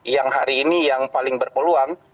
yang hari ini yang paling berpeluang